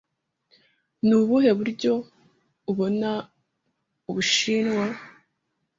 Ni ubuhe buryo ubona Ubushinwa?